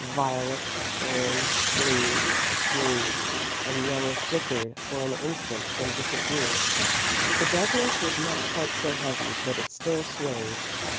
Violet, orange, blue, green, and yellow flickered for an instant, then disappeared. The darkness was not quite so heavy, but it still swayed.